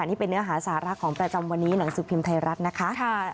นี่เป็นเนื้อหาสาระของประจำวันนี้หนังสือพิมพ์ไทยรัฐนะคะ